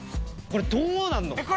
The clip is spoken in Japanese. これどうなるの？